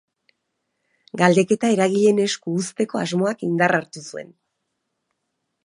Galdeketa eragileen esku uzteko asmoak indarra hartu zuen.